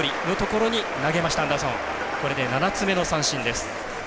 これで７つ目の三振です。